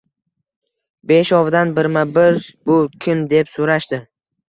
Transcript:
Beshovidan birma-bir bu kim deb so‘rashdi.